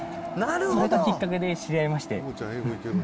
そういったきっかけで知り合いまして。